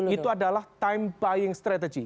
itu adalah time buying strategy